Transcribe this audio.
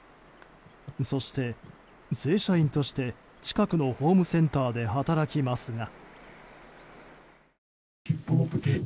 そして正社員として近くのホームセンターで働きますが。